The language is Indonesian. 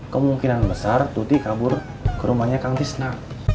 kemungkinan besar tuti kabur ke rumahnya kang tisna